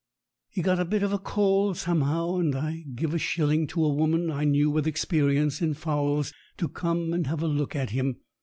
He got a bit of a cold some how, and I give a shilling to a woman I knew with experience in fowls to come and have a look at him.